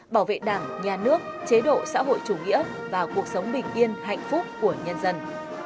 bảo vệ đảng nhà nước chế độ xã hội chủ nghĩa và cuộc sống bình yên hạnh phúc của nhân dân